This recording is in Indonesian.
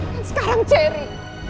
dan sekarang cherry